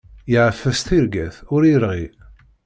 Iɛfes tirget ur irɣi.